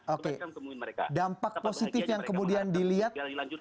oke dampak positif yang kemudian dilihat